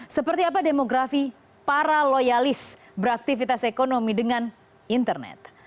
seperti apa demografi para loyalis beraktivitas ekonomi dengan internet